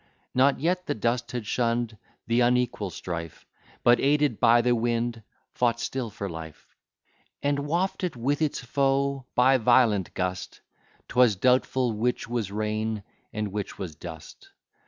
Not yet the dust had shunn'd the unequal strife, But, aided by the wind, fought still for life, And wafted with its foe by violent gust, 'Twas doubtful which was rain, and which was dust.